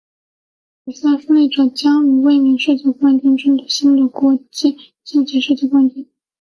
比赛的胜利者将与卫冕世界冠军争夺新的国际象棋世界冠军。